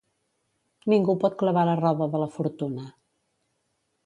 Ningú pot clavar la roda de la fortuna.